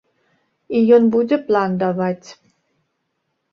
І ён будзе план даваць.